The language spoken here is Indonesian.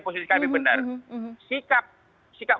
posisi kami benar sikap